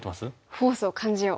フォースを感じよう。